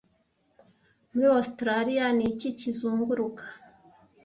Muri Ositaraliya niki kizunguruka